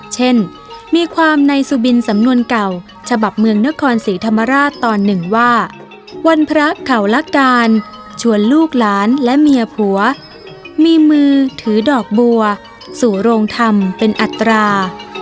เช่นมีความในสุบินสำนวนเก่าฉบับเมืองนครศรีธรรมราชตอนหนึ่งว่าวันพระเขาละการชวนลูกหลานและเมียผัวมีมือถือดอกบัวสู่โรงธรรมเป็นอัตรา